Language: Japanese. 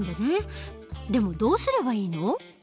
でもどうすればいいの？